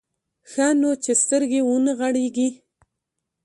ښه نو چې سترګې ونه غړېږي.